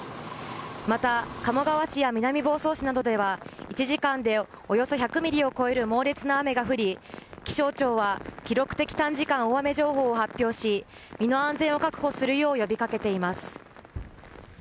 また、鴨川市や南房総市などでは１時間でおよそ１００ｍｍを超える猛烈な雨が降り気象庁は記録的短時間大雨情報を発表し身の安全を確保するよう呼び掛けています。